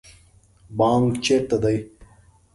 بانک چیرته دی؟